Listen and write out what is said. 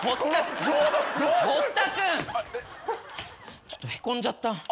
ちょっとへこんじゃった。